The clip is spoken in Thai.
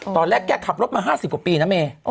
ตอนแรกแกขับรถมา๕๐กว่าปีนะเม